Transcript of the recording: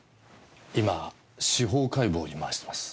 今司法解剖に回してます。